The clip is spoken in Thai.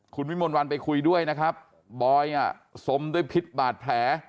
คุณวิมลวันไปคุยด้วยนะครับบอยอ่ะสมด้วยพิษบาดแผล